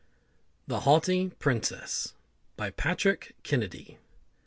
THE HAUGHTY PRINCESS. BY PATRICK KENNEDY.